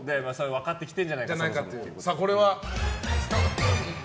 分かってきてるんじゃないかっていう。